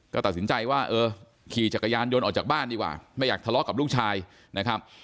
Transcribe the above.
ก็ตัดสินใจว่าเออขี่จักรยานยนต์ออกจากบ้านดีกว่าไม่อยากทะเลาะกับลูกชายนะครับ